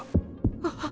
あっ。